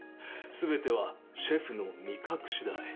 全てはシェフの味覚しだい。